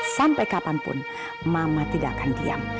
sampai kapanpun mama tidak akan diam